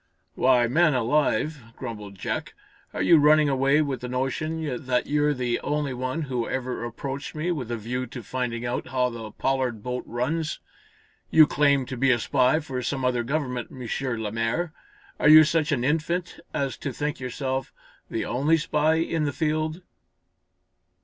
"Why man alive," grumbled Jack, "are you running away with the notion that you're the only one who ever approached me with a view to finding out how the Pollard boat runs? You claim, to be a spy for some other government, M. Lemaire. Are you such an infant as to think yourself the only spy in the field?"